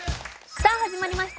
さあ始まりました。